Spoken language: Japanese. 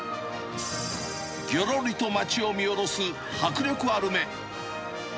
ぎょろりと街を見下ろす、迫力ある目。